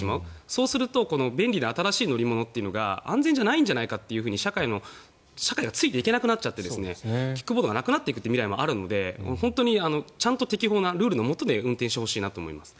そうすると便利な新しい乗り物が安全じゃないんじゃないかって社会がついていけなくなってキックボードがなくなっていく未来もあるのでちゃんと適法なルールのもとで運転してほしいなと思います。